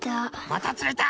またつれた！